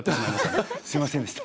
すいませんでした。